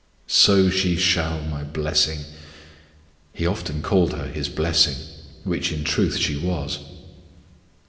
"So she shall, my blessing!" He often called her his "blessing," which in truth she was.